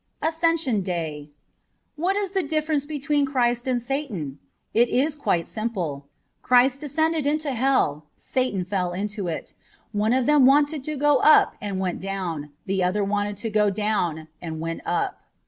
^ 417 ASCENSION DAY WHAT is the difference between Christ and Satan ? It is quite simple. Christ descended into hell ; Satan fell into it. One of them wanted to go up and went down ; the other wanted to go down and went up.